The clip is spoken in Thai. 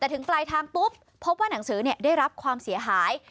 แต่ถึงปลายทางปุ๊บพบว่าหนังสือได้รับความเสียหาย